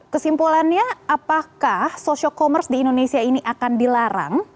kesimpulannya apakah social commerce di indonesia ini akan dilarang